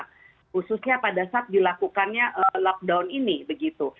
khususnya pada saat dilakukannya lockdown ini begitu